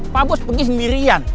pak bos pergi sendirian